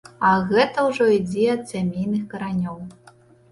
А гэта ўжо ідзе ад сямейных каранёў.